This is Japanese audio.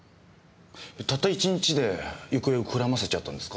たった１日で行方をくらませちゃったんですか？